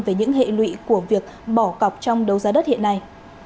về những hệ lụy của việc bỏ cọc trong đấu giá đất hiện nay